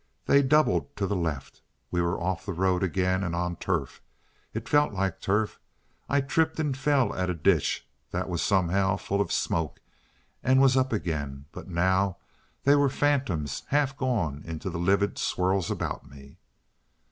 They doubled to the left. We were off the road again and on turf. It felt like turf. I tripped and fell at a ditch that was somehow full of smoke, and was up again, but now they were phantoms half gone into the livid swirls about me.